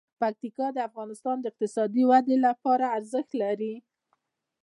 پکتیکا د افغانستان د اقتصادي ودې لپاره ارزښت لري.